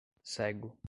cego